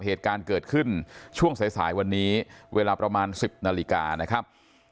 เหตุการณ์เกิดขึ้นช่วงสายสายวันนี้เวลาประมาณ๑๐นาฬิกานะครับ